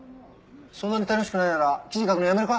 そんなに楽しくないなら記事書くのやめるか？